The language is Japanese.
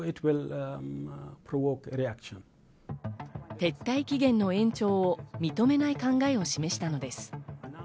撤退期限の延長を認めない考えを示したのです。